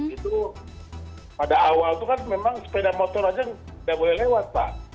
itu pada awal itu kan memang sepeda motor aja tidak boleh lewat pak